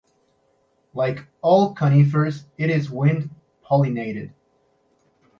Like all conifers it is wind pollinated.